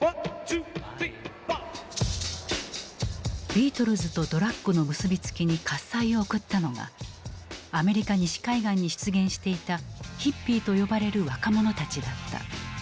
ビートルズとドラッグの結び付きに喝采を送ったのがアメリカ西海岸に出現していた「ヒッピー」と呼ばれる若者たちだった。